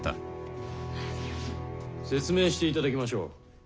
説明して頂きましょう。